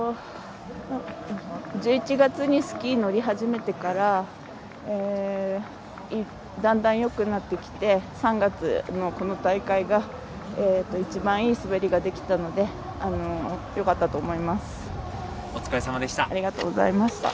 １１月にスキーに乗り始めてからだんだんよくなってきて３月のこの大会が一番いい滑りができたのでよかったと思います。